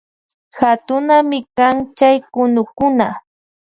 Katunami kan chay kunukuna.